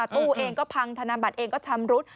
ตู้เองก็พังธนบัตรเองก็ชำรุด